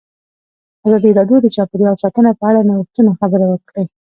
ازادي راډیو د چاپیریال ساتنه په اړه د نوښتونو خبر ورکړی.